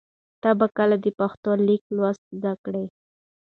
ته به کله د پښتو لیک لوست زده کړې؟